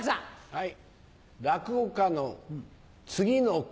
はい。